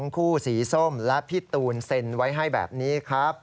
คู่สีส้มและพี่ตูนเซ็นไว้ให้แบบนี้ครับ